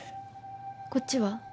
こっちは？